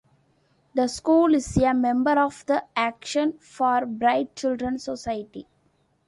The school is a member of the Action for Bright Children Society.